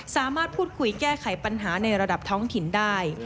สามารถพูดคุยแก้ไขปัญหาในระดับท้องถิ่นได้